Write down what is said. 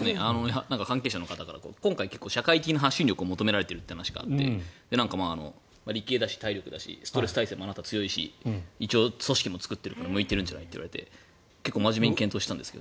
なんか関係者の方から今回、社会的な発信力を求められているという話が合って理系だし、体力だしストレス耐性もあなた強いし一応、組織も作ってるから向いてるんじゃない？と言われて結構真面目に言われたんですけど。